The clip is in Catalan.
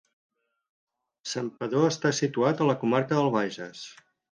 Santpedor està situat a la comarca del Bages.